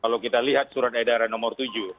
kalau kita lihat surat edaran nomor tujuh